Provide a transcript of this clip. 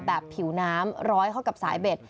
ผิวน้ำร้อยเข้ากับสายเบ็ด